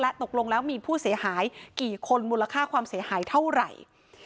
ตกลงแล้วมีผู้เสียหายกี่คนมูลค่าความเสียหายเท่าไหร่